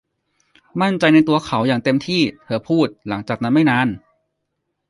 มั่นใจในตัวเขาอย่างเต็มที่ เธอพูดหลังจากนั้นไม่นาน.